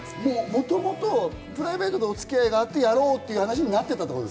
もともとプライベートでお付き合いがあって、やろうって話になってたってこと？